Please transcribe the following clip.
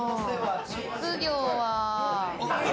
職業は。